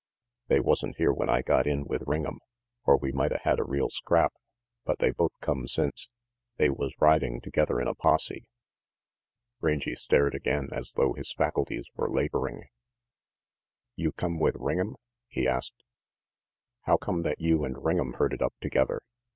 "They wasn't here when I got in with Ring'em, or we mighta had a real scrap, but they both\come since. They was riding together in a posse." Rangy stared again, as though his faculties were laboring. "You come with Ring'em?" he asked. "How come that you and Ring'em herded up together?